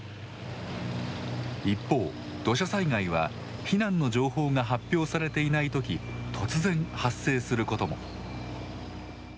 一方、土砂災害は避難の情報が発表されていないとき突然、発生することも。